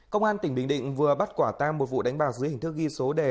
công an tỉnh bình định vừa bắt quả tang một vụ đánh bạc dưới hình thức ghi số đề